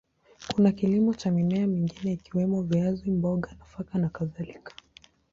Kuna kilimo cha mimea mingine ikiwemo viazi, mboga, nafaka na kadhalika.